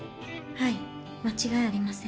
はい間違いありません